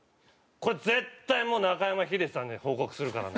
これ絶対もう中山ヒデさんに報告するからな。